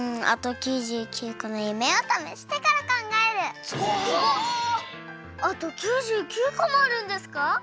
あと９９こもあるんですか？